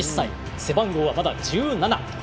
背番号はまだ１７。